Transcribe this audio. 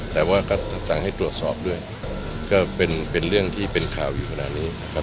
แต่ว่าก็สั่งให้ตรวจสอบด้วยก็เป็นเรื่องที่เป็นข่าวอยู่ขนาดนี้นะครับ